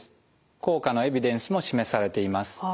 効果のエビデンスも示されています。